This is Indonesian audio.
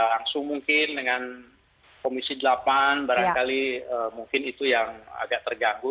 langsung mungkin dengan komisi delapan barangkali mungkin itu yang agak terganggu